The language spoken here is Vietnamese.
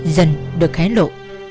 dần được hé lộ